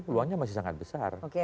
peluangnya masih sangat besar